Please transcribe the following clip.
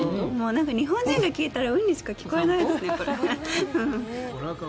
日本人が聞いたら、うんにしか聞こえないですね、これ。